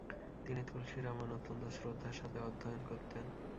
তিনি তুলসী রামায়ণ অত্যন্ত শ্রদ্ধার সাথে অধ্যয়ন করতেন।